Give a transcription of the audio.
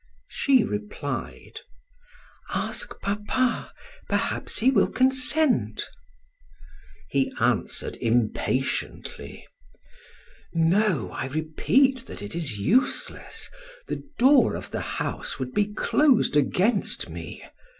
She replied: "Ask papa. Perhaps he will consent." He answered impatiently: "No, I repeat that it is useless; the door of the house would be closed against me.